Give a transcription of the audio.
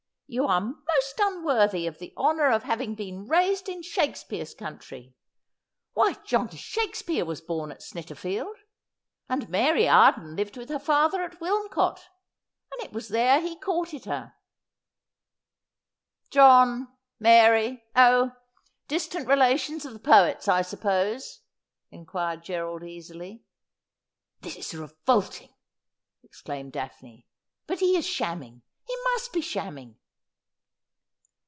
You are most unworthy of the honour of having been raised in Shakespeare's country. Why John 142 Asphodel. Shakespeare was bom at Snitterfield, and Mary Arden lived with her father at Wilmcote ; and it was there he courted her.' ' John — Mary— oh, distant relations of the poet's, I suppose ?' inquired Gerald easily. ' This is revolting,' exclaimed Daphne ;' but he is shamming — he must be shamming.'